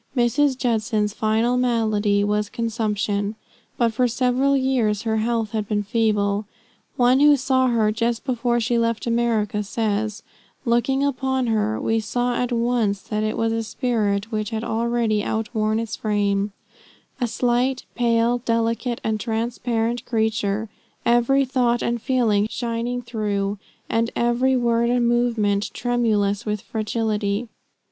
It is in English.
Mrs. Judson's final malady was consumption, but for several years her health had been feeble. One who saw her just before she left America says: "Looking upon her, we saw at once that it was a spirit which had already outworn its frame a slight, pale, delicate, and transparent creature, every thought and feeling shining through, and every word and movement tremulous with fragility.